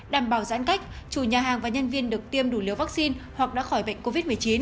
đảm bảo giãn cách chủ nhà hàng và nhân viên được tiêm đủ liều vaccine hoặc đã khỏi bệnh covid một mươi chín